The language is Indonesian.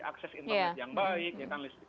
akses internet yang baik ya kan listrik